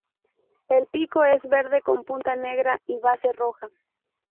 El pico es verde con punta negra y base roja.